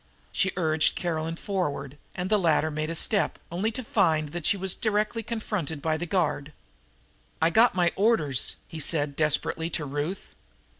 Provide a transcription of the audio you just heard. She urged Caroline forward, and the latter made a step, only to find that she was directly confronted by the guard. "I got my orders," he said desperately to Ruth.